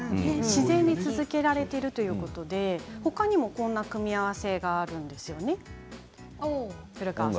自然に続けられているということで、ほかにもこんな組み合わせがあるんですよね。